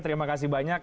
terima kasih banyak